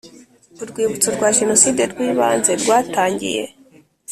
Urwibutso rwa Jenoside rw ibanze rwatangiye